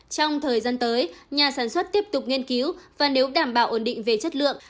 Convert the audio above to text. trong thời gian tới nhà sản xuất tiếp tục nghiên cứu và nếu đảm bảo ổn định về chất lượng